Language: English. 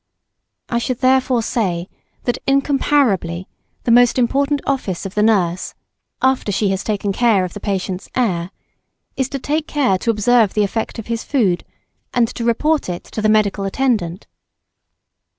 I should therefore say that incomparably the most important office of the nurse, after she has taken care of the patient's air, is to take care to observe the effect of his food, and report it to the medical attendant.